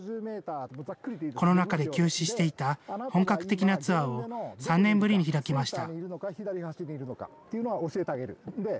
コロナ禍で休止していた本格的なツアーを３年ぶりに開きました。